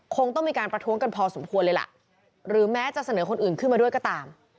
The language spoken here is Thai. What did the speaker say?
คงต้องมีการประท้วงกันพอสมควรเลยล่ะหรือแม้จะเสนอคนอื่นขึ้นมาด้วยก็ตาม